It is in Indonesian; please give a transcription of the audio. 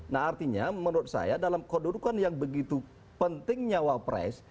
nah artinya menurut saya dalam kedudukan yang begitu pentingnya wapres